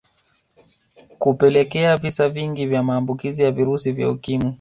Kupelekea visa vingi vya maambukizi ya virusi vya Ukimwi